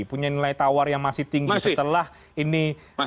punya nilai tawar yang masih tinggi setelah ini